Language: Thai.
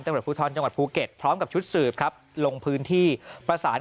ตำรวจภูทรจังหวัดภูเก็ตพร้อมกับชุดสืบครับลงพื้นที่ประสาน